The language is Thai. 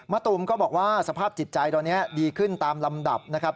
ตูมก็บอกว่าสภาพจิตใจตอนนี้ดีขึ้นตามลำดับนะครับ